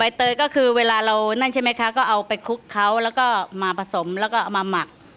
เตยก็คือเวลาเรานั่นใช่ไหมคะก็เอาไปคลุกเขาแล้วก็มาผสมแล้วก็เอามาหมัก